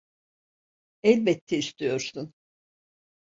Elbette istiyorsun.